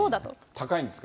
高いんですか。